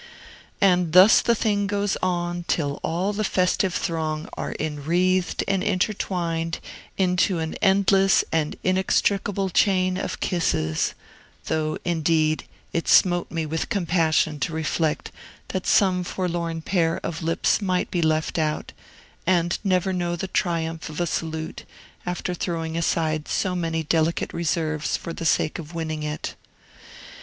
And thus the thing goes on, till all the festive throng are inwreathed and intertwined into an endless and inextricable chain of kisses; though, indeed, it smote me with compassion to reflect that some forlorn pair of lips might be left out, and never know the triumph of a salute, after throwing aside so many delicate reserves for the sake of winning it.